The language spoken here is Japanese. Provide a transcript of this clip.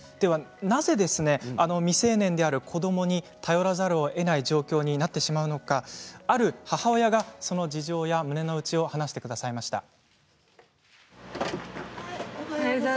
なぜ未成年である子どもに頼らざるをえない状況になってしまうのかある母親がその事情や胸の内を話してくれました。